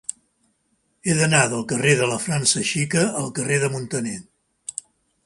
He d'anar del carrer de la França Xica al carrer de Muntaner.